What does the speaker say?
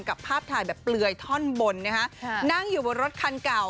ภาพถ่ายแบบเปลือยท่อนบนนะฮะนั่งอยู่บนรถคันเก่า